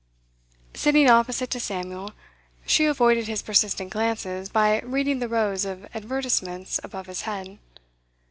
Sitting opposite to Samuel, she avoided his persistent glances by reading the rows of advertisements above his head.